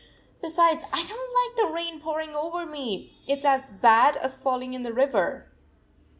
"Besides, I don t like the rain pouring over me. It s as bad as falling in the river."